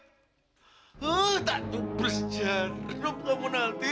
eh takut bersijaruh kamu nanti